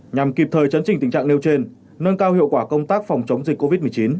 nhằm kịp thời chấn trình tình trạng nêu trên nâng cao hiệu quả công tác phòng chống dịch covid một mươi chín